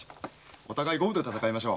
お互い五分で戦いましょう。